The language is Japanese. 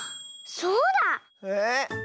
そうだ！えっ？